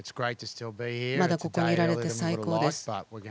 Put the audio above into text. まだ、ここにいられて最高です。